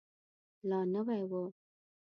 لا نوی و.